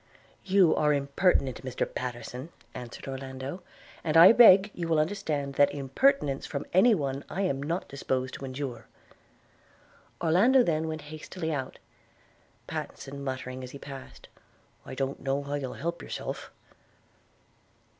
'You are impertinent, Mr Pattenson!' answered Orlando; 'and I beg you will understand that impertinence from any one I am not disposed to endure.' Orlando then went hastily out – Pattenson muttering as he passed, 'I don't know how you'll help yourself.'